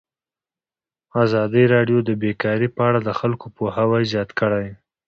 ازادي راډیو د بیکاري په اړه د خلکو پوهاوی زیات کړی.